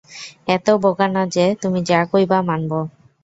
এতও বোকা না যে, তুমি যা কইবা মানবো।